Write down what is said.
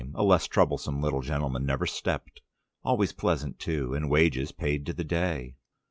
A less troublesome little gentleman never stepped. Always pleasant, too, and wages paid to the day."